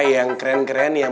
yang keren keren yang